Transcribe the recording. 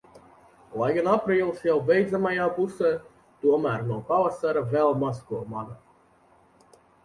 Lai gan aprīlis jau beidzamajā pusē, tomēr no pavasara vēl maz ko mana.